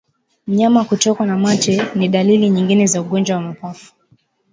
Mnyama kutokwa na mate ni dalili nyingine ya ugonjwa wa mapafu